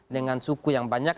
dengan suku yang banyak